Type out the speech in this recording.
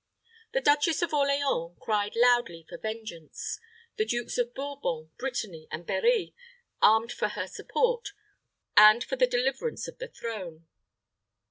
The Duchess of Orleans cried loudly for vengeance; the Dukes of Bourbon, Brittany, and Berri armed for her support, and for the deliverance of the throne.